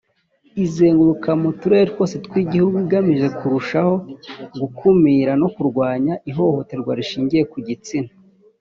izenguruka mu turere twose tw’ igihugu igamije kurushaho gukumira no kurwanya ihohoterwa rishingiye ku gitsina